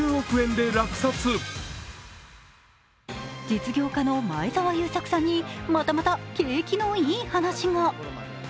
実業家の前澤友作さんにまたまた景気のいい話が。